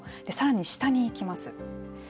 さらに下に行きます。